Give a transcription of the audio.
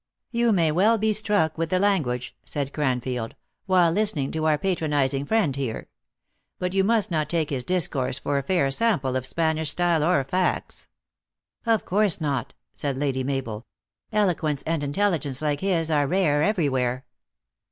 " You may well be struck with the language," said Cranfield, " while listening to our patronizing friend here. But you must not take his discourse for a fair sample of Spanish style or facts." " Of course not," said Lady Mabel. "Eloquence and intelligence like his are rare everywhere.